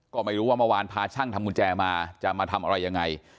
ก็ไม่รู้ว่าเมื่อวานพาช่างทำกุญแจมาจะมาทำอะไรยังไง